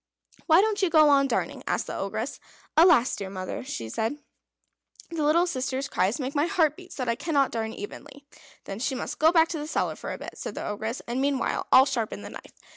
"Why don't you go on darning?" asked the Ogress. "Alas! dear mother," said she, "the little sister's cries make my heart beat so that I cannot darn evenly." "Then she must go back to the cellar for a bit," said the Ogress. "And meanwhile I'll sharpen the knife."